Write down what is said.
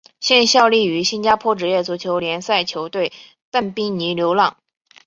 现效力于新加坡职业足球联赛球队淡滨尼流浪。